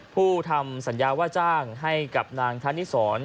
ผู้ทำสัญญาว่าจ้างให้กับนางธนิสร